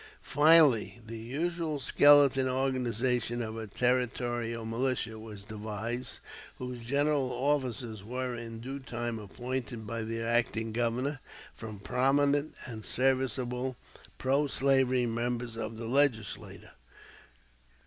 Finally, the usual skeleton organization of a territorial militia was devised, whose general officers were in due time appointed by the acting Governor from prominent and serviceable pro slavery members of the Legislature.